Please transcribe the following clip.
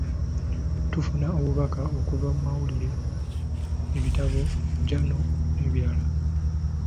Tufuna obubaka okuva mu mawulire, ebitabo, jjano, n'ebirala.